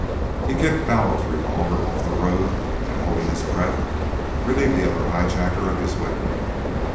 He kicked Mallow's revolver off the road, and, holding his breath, relieved the other high jacker of his weapon.